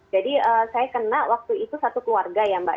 jadi saya kena waktu itu satu keluarga ya mbak